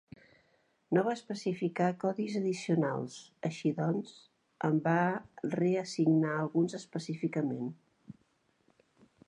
No va especificar codis addicionals; així doncs, en va reassignar alguns específicament.